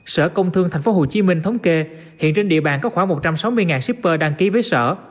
sở công thương tp hcm thống kê hiện trên địa bàn có khoảng một trăm sáu mươi shipper đăng ký với sở